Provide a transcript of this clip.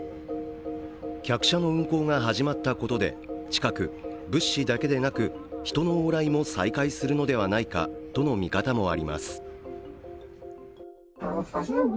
客車の運行が始まったことで近く、物資だけでなく人の往来も再開するのではないかとの見方もあります。